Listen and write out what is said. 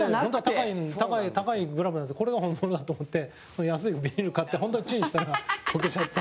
古田：高いグラブなんですけどこれが本当のだと思って安い、ビニールの買って本当にチンしたら溶けちゃった。